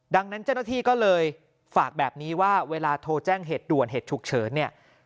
ดังนั้นเจ้าหน้าที่ก็เลยฝากแบบนี้ว่าเวลาโทรแจ้งเหตุด่วนเหตุฉุกเฉินเนี่ย